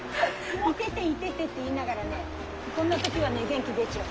イテテイテテって言いながらねこんな時はね元気出ちゃう。